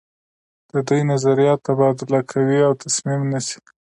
دوی نظریات تبادله کوي او تصمیم نیسي.